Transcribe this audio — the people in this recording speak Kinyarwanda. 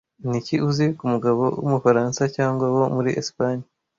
Niki uzi kumugabo wumufaransa cyangwa wo muri Espagne